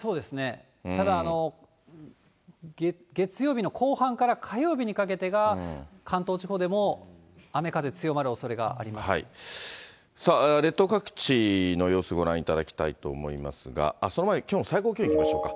ただ、月曜日の後半から火曜日にかけてが関東地方でも雨風強まるおそれ列島各地の様子、ご覧いただきたいと思いますが、その前にきょうの最高気温いきましょうか。